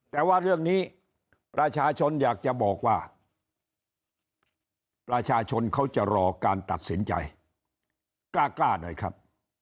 แต่ว่าเรื่องนี้ประชาชนอยากจะบอกว่าประชาชนเขาจะรอการตัดสินใจกล้าหน่อยครับ